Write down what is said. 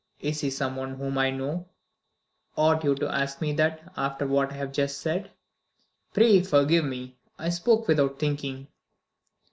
"Is he some one whom I know?" "Ought you to ask me that, after what I have just said?" "Pray forgive me! I spoke without thinking."